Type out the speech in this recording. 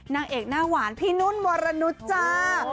นางเอกหน้าหวานพี่นุ่นวรนุษย์จ้า